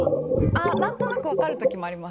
あっ何となく分かる時もあります。